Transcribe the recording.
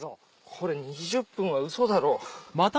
これ２０分はウソだろ。